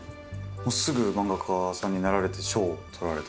もうすぐ漫画家さんになられて賞をとられた？